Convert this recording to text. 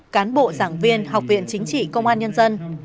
cán bộ giảng viên học viện chính trị công an nhân dân